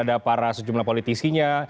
ada para sejumlah politisinya